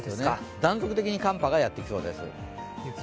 断続的に寒波がやってきそうです。